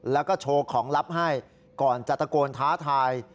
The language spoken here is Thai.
แล้วก็โชว์ของลับให้ก่อนจะตะโกนท้าทาย